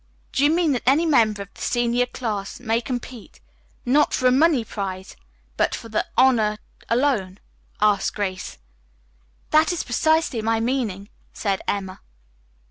"Do you mean that any member of the senior class may compete, not for a money prize, but for the honor alone?" asked Grace. "That is precisely my meaning," said Emma.